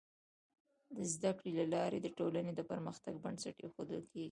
د زده کړې له لارې د ټولنې د پرمختګ بنسټ ایښودل کيږي.